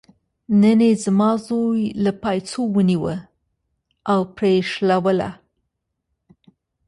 نن یې زما زوی له پایڅې ونیوه او پرې یې شلوله.